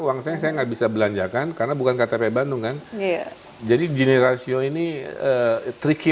uang saya saya nggak bisa belanjakan karena bukan ktp bandung kan jadi gini rasio ini tricky